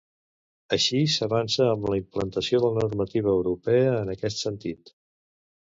Així s'avança en la implantació de la normativa europea en aquest sentit.